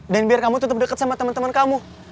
dan biar kamu tetap dekat sama temen temen kamu